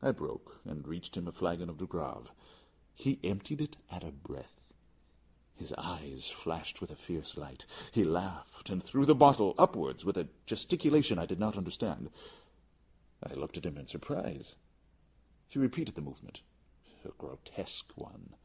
I broke and reached him a flagon of De Grave. He emptied it at a breath. His eyes flashed with a fierce light. He laughed and threw the bottle upwards with a gesticulation I did not understand. I looked at him in surprise. He repeated the movement a grotesque one.